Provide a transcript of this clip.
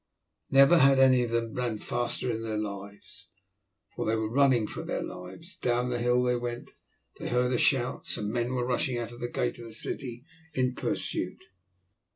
Never had any of them ran faster in their lives, for they were running for their lives. Down the hill they went. They heard a shout; some men were rushing out of the gate of the city in pursuit.